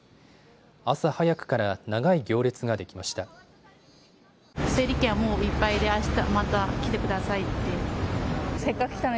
朝早くから長い行列ができました。